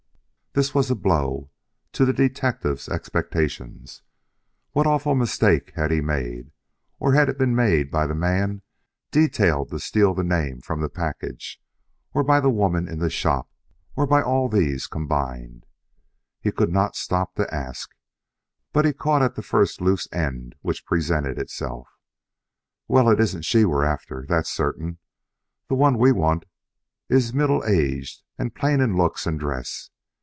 This was a blow to the detective's expectations. What awful mistake had he made? Or had it been made by the man detailed to steal the name from the package or by the woman in the shop, or by all these combined? He could not stop to ask; but he caught at the first loose end which presented itself. "Well, it isn't she we're after, that's certain. The one we want is middle aged, and plain in looks and dress.